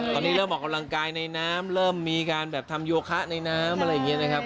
ตอนนี้เริ่มออกกำลังกายในน้ำเริ่มมีการแบบทำโยคะในน้ำอะไรอย่างนี้นะครับ